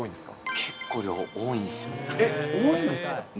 結構、量多いんっすよね。